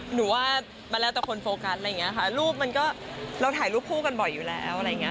หนูว่ามันแล้วแต่คนโฟกัสอะไรอย่างนี้ค่ะรูปมันก็เราถ่ายรูปคู่กันบ่อยอยู่แล้วอะไรอย่างเงี้